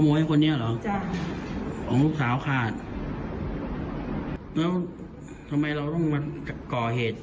ให้คนนี้เหรอจ้ะของลูกสาวขาดแล้วทำไมเราต้องมาก่อเหตุ